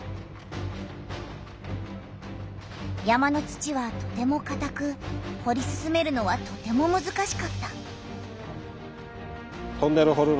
山の土はとてもかたくほり進めるのはとてもむずかしかった。